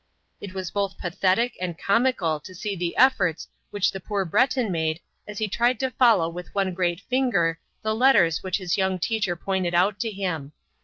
It was both pathetic and comical to see the efforts which the poor Breton made as he tried to follow with one great finger the letters which his young teacher pointed out to him.